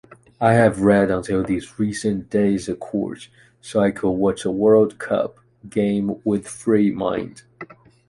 I have read until these recent days a course, so I could watch the World Cup (game) with free mind.